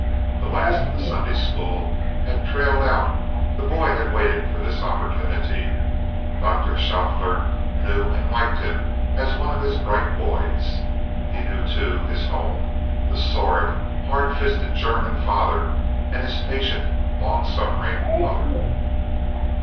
The last of the Sunday school had trailed out; the boy had waited for this opportunity. Dr. Schauffler knew and liked him as one of his bright boys. He knew, too, his home the sordid, hard fisted German father and his patient, long suffering mother.